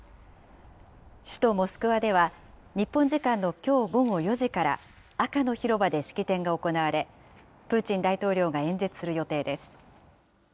首都モスクワでは、日本時間のきょう午後４時から、赤の広場で式典が行われ、プーチン大統領が演説する予定です。